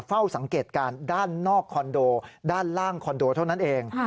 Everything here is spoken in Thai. เฝ้าสังเกตการณ์ด้านนอกคอนโดด้านล่างคอนโดเท่านั้นเอง